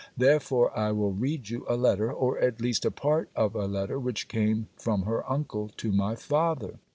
Therefore I will read you a letter, or at least a part of a letter, which came from her uncle to my father.